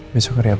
besok hari apa ya